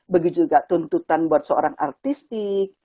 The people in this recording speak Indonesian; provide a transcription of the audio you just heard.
begitu juga tuntutan buat seorang artistik